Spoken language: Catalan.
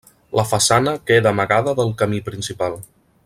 La façana queda amagada del camí principal.